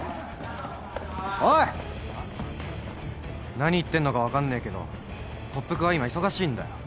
何言ってんのか分かんねえけど特服は今忙しいんだよ。